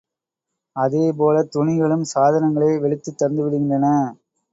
அதேபோலத் துணிகளும் சாதனங்களே வெளுத்துத் தந்துவிடுகின்றன.